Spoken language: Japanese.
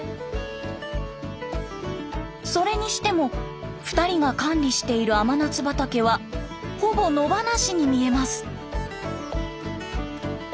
それにしても２人が管理している甘夏畑はほぼ野放しに見えます。